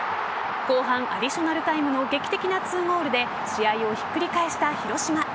後半アディショナルタイムの劇的な２ゴールで試合をひっくり返した広島。